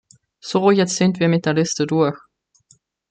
So, jetzt sind wir mit der Liste durch.